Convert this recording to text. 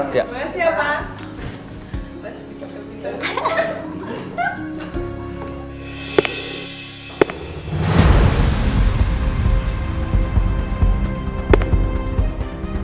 terima kasih pak